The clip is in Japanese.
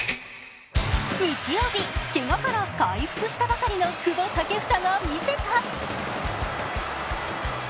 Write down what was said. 日曜日、けがから回復したばかりの久保建英が見せた。